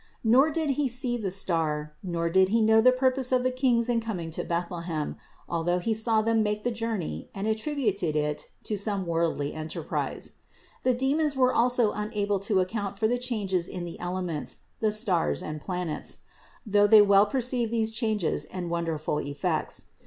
Nor did he see the star, nor did he know the purpose of the kings in coming to Bethlehem, although he saw them make the journey and attributed it to some worldly enterprise. The de mons were also unable to account for the changes in the elements, the stars and planets; though they well perceived these changes and wonderful effects.